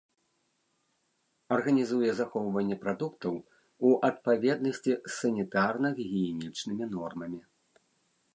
Арганізуе захоўванне прадуктаў у адпаведнасці з санітарна-гігіенічнымі нормамі.